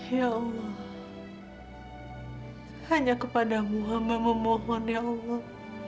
ya allah hanya kepadamu hama memohon ya allah